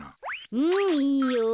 うんいいよ。